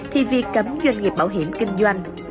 thì việc cấm doanh nghiệp bảo hiểm kinh doanh